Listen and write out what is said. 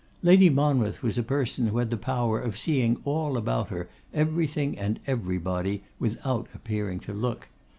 Lady Monmouth was a person who had the power of seeing all about her, everything and everybody, without appearing to look.